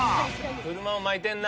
車も巻いてんな。